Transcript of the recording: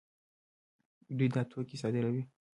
دوی دا توکي صادروي.